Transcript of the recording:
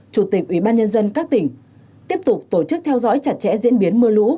một chủ tịch ubnd các tỉnh tiếp tục tổ chức theo dõi chặt chẽ diễn biến mưa lũ